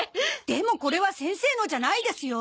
でもこれは先生のじゃないですよ。